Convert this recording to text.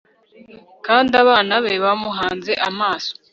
kandi abana be bamuhanze amaso